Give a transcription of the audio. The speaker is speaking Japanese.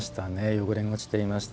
汚れも落ちていました。